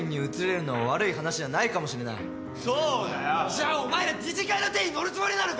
じゃあお前ら理事会の手に乗るつもりなのかよ？